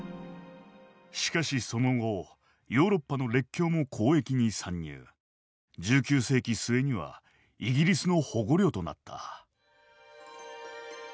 しかしその後ヨーロッパの列強も交易に参入１９世紀末にはイギリスの保護領となった。